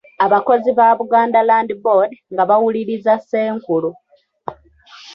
Abakozi ba Buganda Land Board nga bawuliriza Ssenkulu.